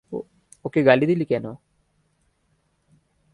ওকে গালি দিলি কেন?